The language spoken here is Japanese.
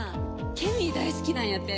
ケミー大好きなんやて？